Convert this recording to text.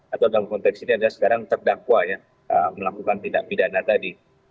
atau dalam konteks ini adalah sekarang terdakwa ya melakukan tindak pidana tadi